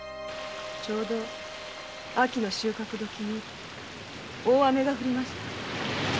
ちょうど秋の収穫時に大雨が降りました。